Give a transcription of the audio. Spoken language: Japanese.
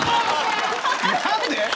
何で？